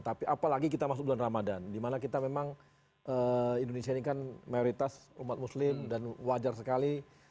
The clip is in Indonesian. tapi apalagi kita masuk bulan ramadan dimana kita memang indonesia ini kan mayoritas umat muslim dan wajar sekali